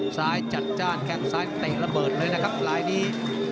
จัดจ้านแข้งซ้ายเตะระเบิดเลยนะครับลายนี้